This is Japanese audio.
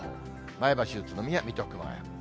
前橋、宇都宮、水戸、熊谷。